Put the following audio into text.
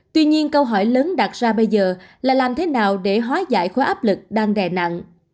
tuy nhiên câu hỏi lớn đặt ra bây giờ là làm thế nào để hóa giải khóa áp lực đang đè nặng